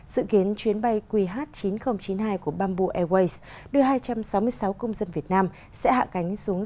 dự kiến chuyến bay qh chín nghìn chín mươi hai của bamboo airways đưa hai trăm sáu mươi sáu công dân việt nam sẽ hạ cánh xuống